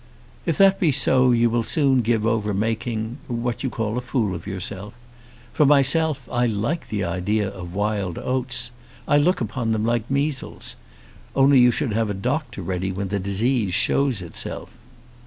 "If that be so you will soon give over making what you call a fool of yourself. For myself I like the idea of wild oats. I look upon them like measles. Only you should have a doctor ready when the disease shows itself."